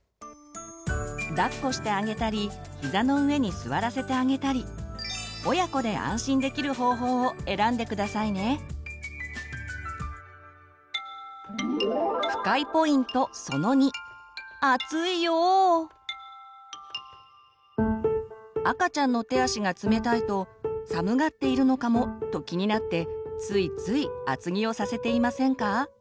だっこしてあげたりひざの上に座らせてあげたり親子で赤ちゃんの手足が冷たいと「寒がっているのかも？」と気になってついつい厚着をさせていませんか？